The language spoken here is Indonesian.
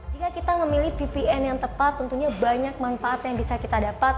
jika kita memilih vpn yang tepat tentunya banyak manfaat yang bisa kita dapat